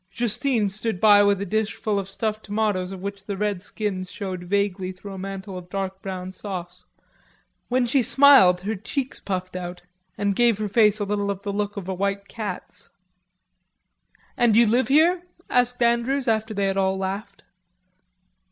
Justine stood by with a dish full of stuffed tomatoes of which the red skins showed vaguely through a mantle of dark brown sauce. When she smiled her cheeks puffed out and gave her face a little of the look of a white cat's. "And you live here?" asked Andrews after they had all laughed.